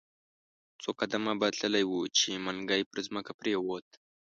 څو قدمه به تللی وو، چې منګی پر مځکه پریووت.